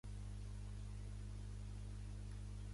Hi va i tot sovint el cobra.